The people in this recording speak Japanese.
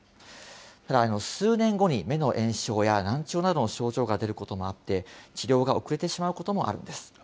ただ、数年後に目の炎症や難聴などの症状が出ることもあって、治療が遅れてしまうこともあるんです。